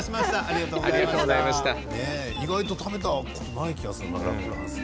意外と食べたことない気がするなラ・フランス。